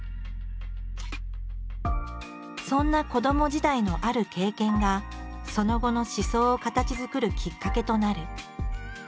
そんな子ども時代のある経験がその後の思想を形づくるきっかけとなる。